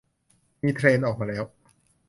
มีเทรนด์ออกมาแล้ว